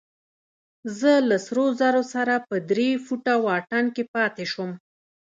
زه له سرو زرو سره په درې فوټه واټن کې پاتې شوم.